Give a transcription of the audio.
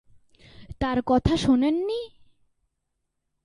তার কথা শোনেননি?